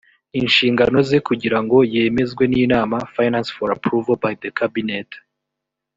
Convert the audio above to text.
inshingano ze kugira ngo yemezwe n inama finance for approval by the cabinet